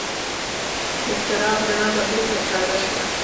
د څراغ رڼا به بېرته تازه شوه.